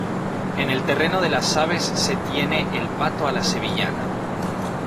En el terreno de las aves se tiene el pato a la sevillana.